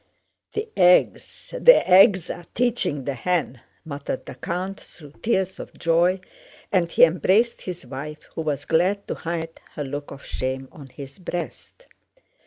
"The eggs... the eggs are teaching the hen," muttered the count through tears of joy, and he embraced his wife who was glad to hide her look of shame on his breast.